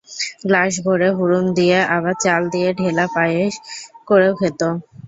Glass ভরে, হুড়ুম দিয়ে, আবার চাল দিয়ে ঢেলা পায়েস করেও খেত।